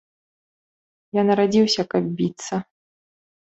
Я нарадзіўся, каб біцца.